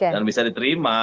dan bisa diterima